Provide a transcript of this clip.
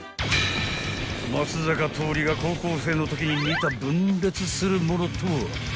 ［松坂桃李が高校生のときに見た分裂するものとは？］